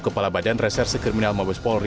kepala badan resersi kriminal mabes polri